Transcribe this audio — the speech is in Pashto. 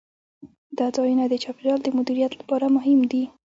دا ځایونه د چاپیریال د مدیریت لپاره مهم دي.